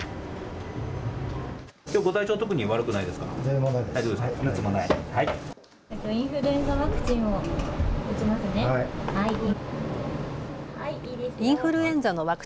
きょう体調は悪くないですか。